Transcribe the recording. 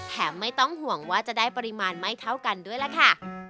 ไม่ต้องห่วงว่าจะได้ปริมาณไม่เท่ากันด้วยล่ะค่ะ